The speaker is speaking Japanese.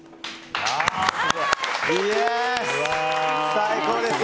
最高です！